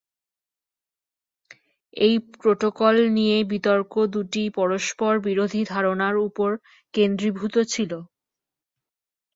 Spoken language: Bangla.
এই প্রোটোকল নিয়ে বিতর্ক দুটি পরস্পরবিরোধী ধারণার উপর কেন্দ্রীভূত ছিল।